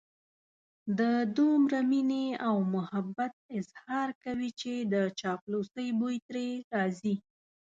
د دومره مينې او محبت اظهار کوي چې د چاپلوسۍ بوی ترې راځي.